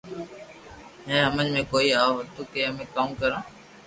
ھي ھمج ۾ ڪوئي آ وتو ڪي اپي ڪاو ڪرو